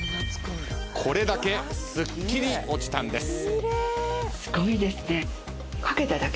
これだけすっきり落ちたんです。